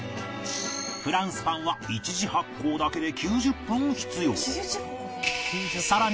フランスパンは一次発酵だけで９０分必要